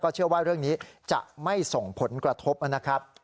เชื่อว่าเรื่องนี้จะไม่ส่งผลกระทบนะครับ